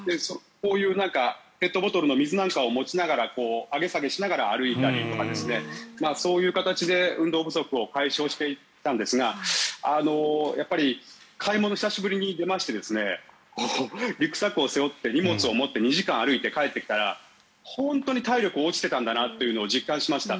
こういうペットボトルの水なんかを持ちながら上げ下げしながら歩いたりとかそういう形で運動不足を解消していったんですがやっぱり買い物に久しぶりに出ましてリュックサックを背負って荷物を持って２時間歩いて帰ってきたら本当に体力が落ちていたんだなというのを実感しました。